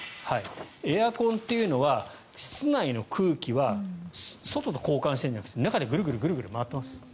エアコンというのは室内の空気は外と交換してるんじゃなくて中でグルグル回ってます。